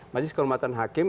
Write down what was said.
majelis keluaran hakim